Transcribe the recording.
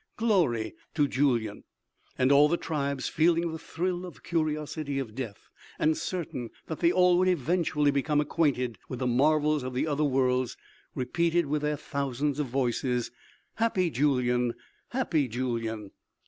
Glory to Julyan!" And all the tribes, feeling the thrill of curiosity of death and certain that they all would eventually become acquainted with the marvels of the other worlds, repeated with their thousands of voices: "Happy Julyan! Happy Julyan!"